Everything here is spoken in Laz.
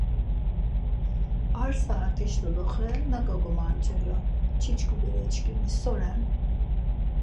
Ar saat̆iş doloxe nak̆o gomanç̆elu, çiçkubereçkimi so ren?